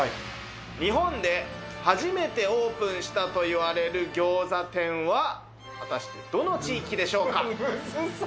日本で初めてオープンしたといわれる餃子店は果たしてどの地域でしょうかムズ